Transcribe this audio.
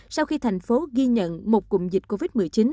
sau khi thành phố ghi nhận một cụm dịch covid một mươi chín